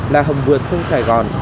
là hầm vượt sông sài gòn